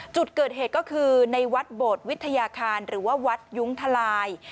จุดเกิดเหตุก็คือในวัดโบดวิทยาคารหรือว่าวัดยุ้งทลาย